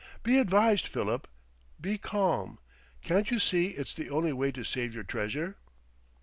Be advised, Philip, be calm. Can't you see it's the only way to save your treasure?"